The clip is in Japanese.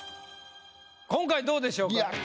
今回どうでしょうか？